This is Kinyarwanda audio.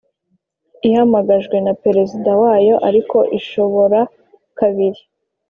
ihamagajwe na Perezida wayo Ariko ishobora kabiri